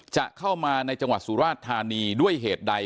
จะเข้ามาในจังหวัดสุราชธานีด้วยเหตุใด